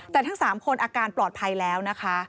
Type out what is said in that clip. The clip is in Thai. แต่ทั้ง๓คนอาการปลอดภัยแล้วนะคะ